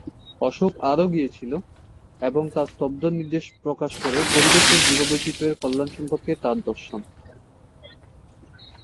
অশোক আরও গিয়েছিল, এবং তার স্তম্ভ নির্দেশ প্রকাশ করে পরিবেশ ও জীববৈচিত্র্য-এর কল্যাণ সম্পর্কে তার দর্শন।